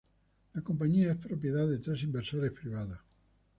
La compañía es propiedad de tres inversores privados.